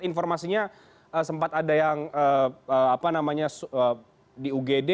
informasinya sempat ada yang di ugd